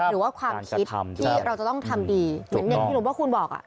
หรือว่าความคิดที่เราจะต้องทำดีเหมือนอย่างที่หลวงพ่อคุณบอกอ่ะ